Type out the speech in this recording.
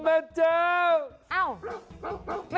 คือเม้นเจอ